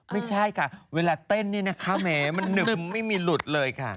ไม่ใช่ค่ะเวลาเต้นนี้แมั้มั้ยมันนึมไม่มีหลุดเลยค่ะ